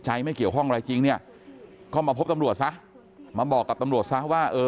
ไม่เกี่ยวข้องอะไรจริงเนี่ยก็มาพบตำรวจซะมาบอกกับตำรวจซะว่าเออ